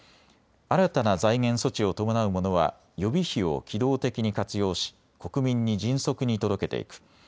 新たな財源措置を伴うものは予備費を機動的に活用し国民に迅速に届けていく。